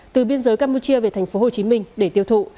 từ biên giới campuchia về tp hcm để tiêu thụ